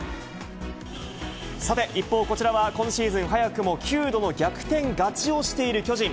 さて、一方こちらは、今シーズン早くも９度の逆転勝ちをしている巨人。